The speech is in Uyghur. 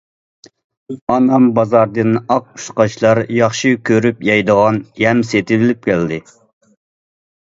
ئانام بازاردىن ئاق قۇشقاچلار ياخشى كۆرۈپ يەيدىغان يەم سېتىۋېلىپ كەلدى.